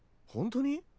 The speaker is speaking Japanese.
本当に？